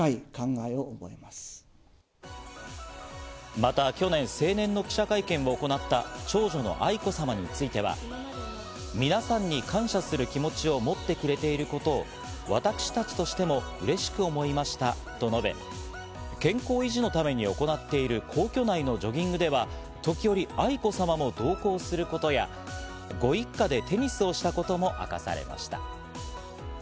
また去年、成年の記者会見を行った長女の愛子さまについては、皆さんに感謝する気持ちを持ってくれていることを私たちとしてもうれしく思いましたと述べ、健康維持のために行っている皇居内のジョギングでは、時折、愛子さまも同行することや、ご一家でテニスをしたことも明かされました。